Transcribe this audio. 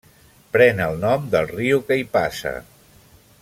Pren el nom del riu que hi passa.